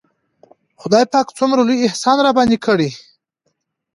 خداى پاک څومره لوى احسان راباندې کړى.